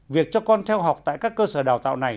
việc cho con theo học tại các cơ sở đào tạo này